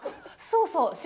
そうそう！